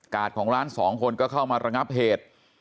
ของร้านสองคนก็เข้ามาระงับเหตุ